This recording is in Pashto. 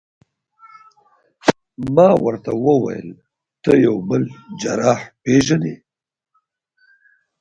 ما ورته وویل: ته یو بل جراح پېژنې؟